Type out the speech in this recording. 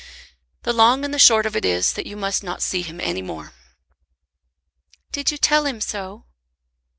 "The long and the short of it is that you must not see him any more." "Did you tell him so?"